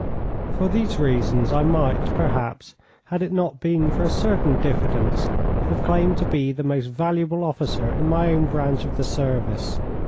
For these reasons I might, perhaps, had it not been for a certain diffidence, have claimed to be the most valuable officer in my own branch of the Service.